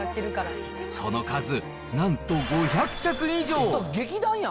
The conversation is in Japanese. その数、なんと５００着以上。